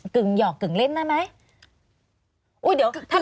กึ่งหยอกกึ่งเล่นได้ไหม